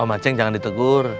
om ancing jangan ditegur